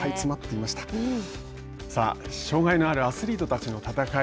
さあ、障害のあるアスリートたちの戦い